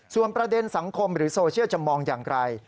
ส่วนประเด็นสังคมหรือโซเชียลจะมองอย่างไร